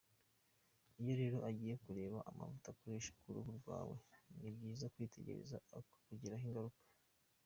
Iyo rero ugiye kureba amavuta ukoresha ku ruhu rwawe ni byiza kwitegereza atakugiraho ingaruka.